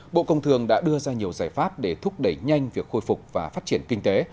bộ công thương đã đưa ra nhiều giải pháp để thúc đẩy nhanh việc khôi phục và phát triển kinh tế